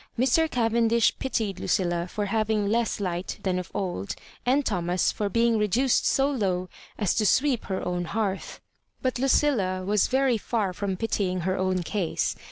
Mr. Oayendish pitied Lucilla for haying less light than of old, and Thomas for being reduced so low as to sweep her own hearth. But Lucilla was yery far from pitying her own case.